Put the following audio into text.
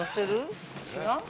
違う？